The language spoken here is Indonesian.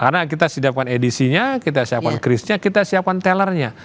karena kita siapkan edisinya kita siapkan chrisnya kita siapkan tellernya